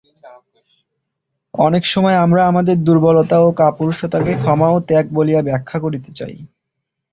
অনেক সময় আমরা আমাদের দুর্বলতা ও কাপুরুষতাকে ক্ষমা ও ত্যাগ বলিয়া ব্যাখ্যা করিতে চাই।